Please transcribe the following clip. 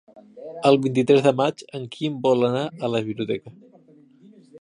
El vint-i-tres de maig en Quim vol anar a la biblioteca.